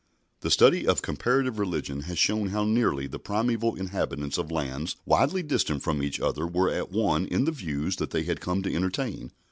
The study of Comparative Religion has shown how nearly the primeval inhabitants of lands widely distant from each other were at one in the views they had come to entertain.